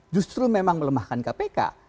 justru memang melemahkan kpk